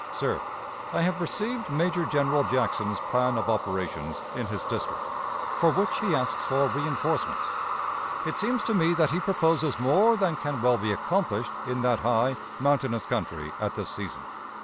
"Sir: I have received Major General Jackson's plan of operations in his district, for which he asks for reënforcements. It seems to me that he proposes more than can well be accomplished in that high, mountainous country at this season.